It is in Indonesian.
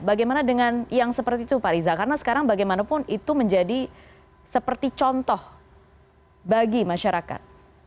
bagaimana dengan yang seperti itu pak riza karena sekarang bagaimanapun itu menjadi seperti contoh bagi masyarakat